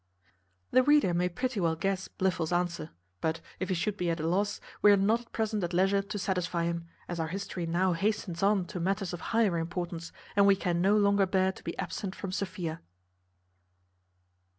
The reader may pretty well guess Blifil's answer; but, if he should be at a loss, we are not at present at leisure to satisfy him, as our history now hastens on to matters of higher importance, and we can no longer bear to be absent from Sophia.